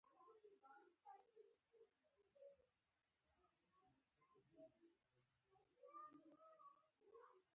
سپي ته د خوړلو ځای ورکړئ.